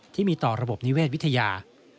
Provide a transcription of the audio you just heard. ที่มีต่อระบบนิเวศวิทยา